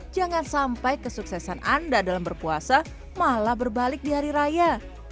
jangan sampai kesuksesan anda dalam berpuasa malah berbalik di hari raya